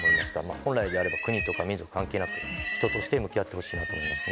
本来であれば国や民族関係なく人として向き合ってほしいですね。